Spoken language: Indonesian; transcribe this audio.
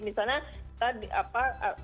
misalnya kita di apa